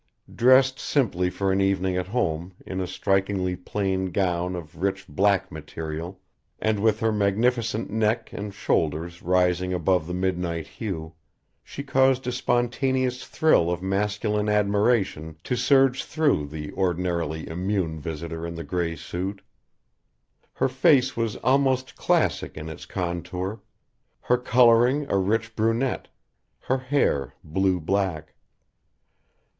Dressed simply for an evening at home in a strikingly plain gown of a rich black material, and with her magnificent neck and shoulders rising above the midnight hue she caused a spontaneous thrill of masculine admiration to surge through the ordinarily immune visitor in the gray suit. Her face was almost classic in its contour: her coloring a rich brunette, her hair blue black.